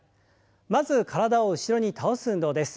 まず体を後ろに倒す運動です。